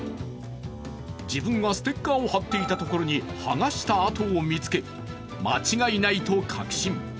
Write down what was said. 自分がステッカーを貼っていたところに剥がした跡を見つけ、間違いないと確信。